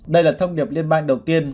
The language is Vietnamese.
đây là thông điệp liên bang đầu tiên